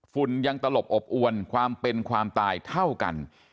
ยังตลบอบอวนความเป็นความตายเท่ากัน